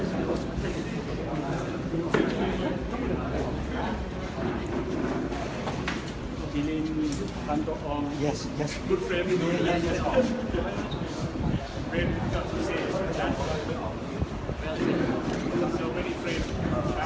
ขอบคุณครับ